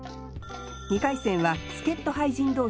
２回戦は助っ人俳人同士